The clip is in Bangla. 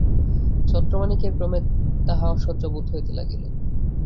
ছত্রমাণিক্যের ক্রমে তাহা অসহ্য বোধ হইতে লাগিল।